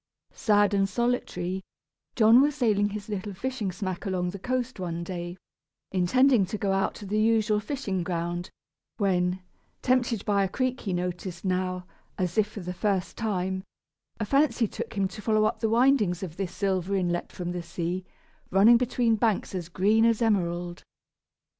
Sad and solitary, John was sailing his little fishing smack along the coast one day, intending to go out to the usual fishing ground, when, tempted by a creek he noticed now, as if for the first time, a fancy took him to follow up the windings of this silver inlet from the sea, running between banks as green as emerald.